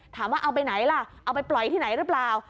ถามว่าเอาไปไหนล่ะเอาไปปล่อยที่ไหนหรือเปล่า